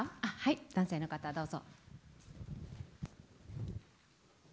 男性の方、どうぞ。